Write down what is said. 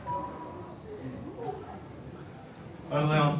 おはようございます。